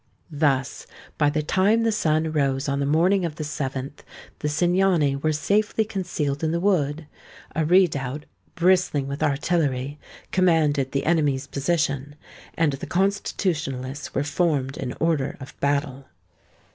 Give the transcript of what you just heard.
Thus, by the time the sun rose on the morning of the 7th, the Cingani were safely concealed in the wood; a redoubt, bristling with artillery, commanded the enemy's position; and the Constitutionalists were formed in order of battle.